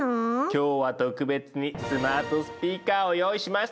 今日は特別にスマートスピーカーを用意しました！